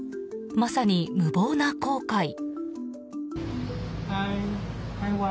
まさに無謀な航海。